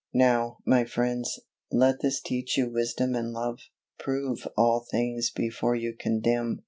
Now, my friends, let this teach you wisdom and love. Prove all things before you condemn.